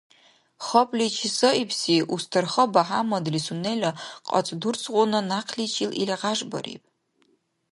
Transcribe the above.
Хапли чесаибси Устарха БяхӀяммадли сунела къацӀдурцгъуна някъличил ил гъяжбариб.